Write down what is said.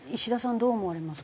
どう思われますか？